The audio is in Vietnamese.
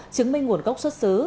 chứng minh nguồn gốc xuất xứ